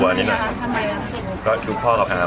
วันนี้อยากจะฝากอะไรถึงประชาชน